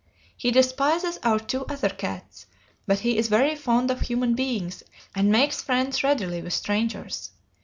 He despises our two other cats, but he is very fond of human beings and makes friends readily with strangers.